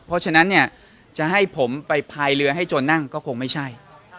เพราะฉะนั้นเนี่ยจะให้ผมไปพายเรือให้โจรนั่งก็คงไม่ใช่